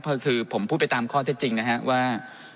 ก็คือผมพูดไปตามข้อเท็จจริงนะครับว่า